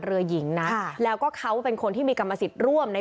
เรือหญิงนะค่ะแล้วก็เขาเป็นคนที่มีกรรมสิทธิ์ร่วมใน